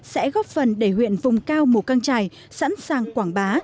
sẽ góp phần để huyện vùng cao mù căng trải sẵn sàng quảng bá